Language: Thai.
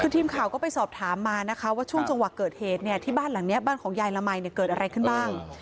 คือทีมข่าวก็ไปสอบถามมานะคะว่าช่วงจังหวะเกิดเหตุเนี่ยที่บ้านหลังนี้บ้านของยายละมัยเกิดอะไรขึ้นบ้าง